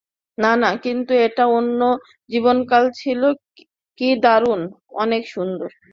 না না, কিন্তু ওটা অন্য জীবনকাল ছিল কি দারুন, অনেক সুন্দর।